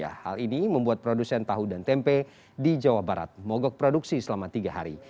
hal ini membuat produsen tahu dan tempe di jawa barat mogok produksi selama tiga hari